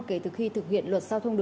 kể từ khi thực hiện luật giao thông